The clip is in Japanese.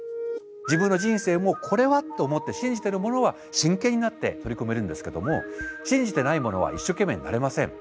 自分の人生もこれはと思って信じてるものは真剣になって取り組めるんですけども信じてないものは一生懸命になれません。